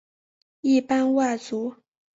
一般外族。